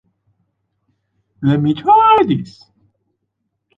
Let me try this.